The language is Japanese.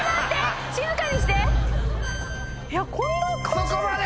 そこまで！